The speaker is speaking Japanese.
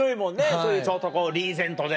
そういうちょっとこうリーゼントで。